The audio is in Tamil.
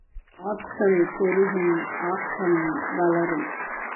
ஆற்றல் பெருகும் ஆக்கம் வளரும்.